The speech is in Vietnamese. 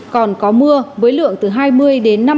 còn có mưa với lượng từ hai mươi năm mươi mm